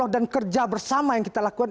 dan kerja bersama yang kita lakukan